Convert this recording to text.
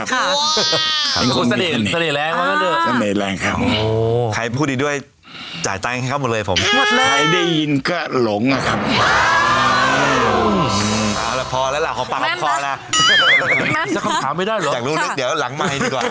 อยากรู้นึกเดี๋ยวหลังไม้ดีกว่า